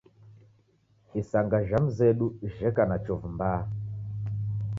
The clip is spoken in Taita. Isanga jha mzedu jheko na chovu mbaha.